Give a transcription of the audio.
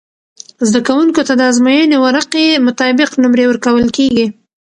زده کوونکو ته د ازموينې ورقعی مطابق نمرې ورکول کیږی